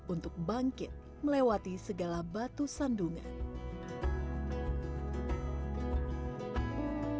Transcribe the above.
untuk bangkit melewati segala batu sandungan